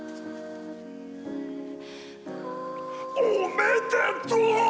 おめでとぉ！